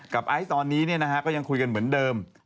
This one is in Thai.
ไอซ์ตอนนี้ก็ยังคุยกันเหมือนเดิม